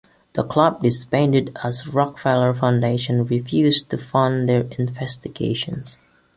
The club disbanded as the Rockefeller Foundation refused to fund their investigations.